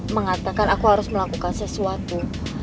mengatakan aku harus melakukan sesuatu